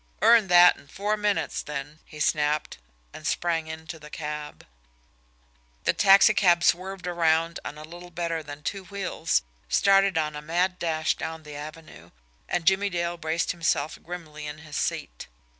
"Earn that in four minutes, then," he snapped and sprang into the cab. The taxicab swerved around on little better than two wheels, started on a mad dash down the Avenue and Jimmie Dale braced himself grimly in his seat.